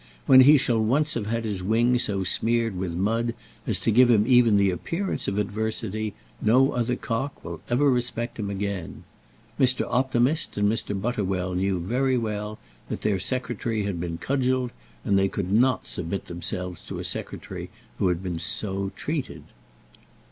When he shall once have had his wings so smeared with mud as to give him even the appearance of adversity, no other cock will ever respect him again. Mr. Optimist and Mr. Butterwell knew very well that their secretary had been cudgelled, and they could not submit themselves to a secretary who had been so treated.